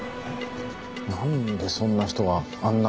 なんでそんな人があんな